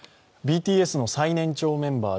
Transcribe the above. ＢＴＳの最年長メンバー